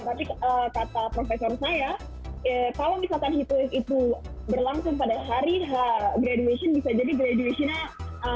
tapi kata profesor saya kalau misalkan headway itu berlangsung pada hari graduation bisa jadi graduation nya